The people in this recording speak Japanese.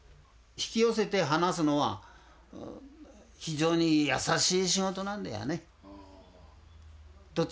引き寄せて放すのは非常に優しい仕事なんだよね。